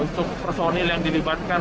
untuk personil yang dilibatkan